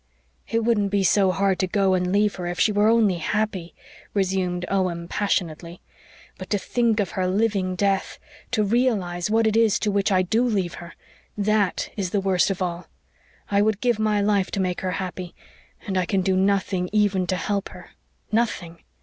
"It wouldn't be so hard to go and leave her if she were only happy," resumed Owen passionately. "But to think of her living death to realise what it is to which I do leave her! THAT is the worst of all. I would give my life to make her happy and I can do nothing even to help her nothing.